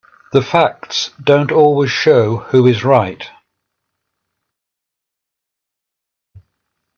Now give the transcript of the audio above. The facts don't always show who is right.